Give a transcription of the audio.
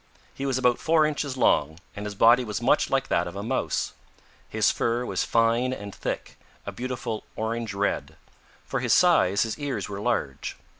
He was about four inches long, and his body was much like that of a Mouse. His fur was fine and thick, a beautiful orange red. For his size his ears were large.